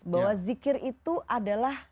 bahwa zikir itu adalah